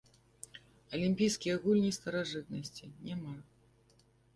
Алімпійскія гульні старажытнасці, няма.